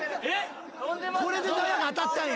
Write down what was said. これで縄が当たったんや。